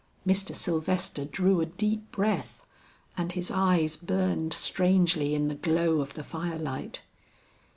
Mr. Sylvester drew a deep breath and his eyes burned strangely in the glow of the fire light.